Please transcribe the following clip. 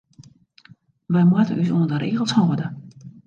Wy moatte ús oan de regels hâlde.